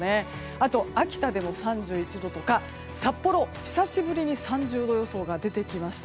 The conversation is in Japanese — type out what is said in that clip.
あと、秋田でも３１度とか札幌、久しぶりに３０度予想が出てきました。